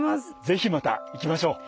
是非また行きましょう。